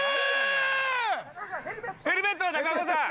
ヘルメット中岡さん！